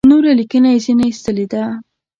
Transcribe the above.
نوره لیکنه یې ځنې ایستلې ده.